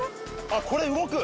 あっこれ動く！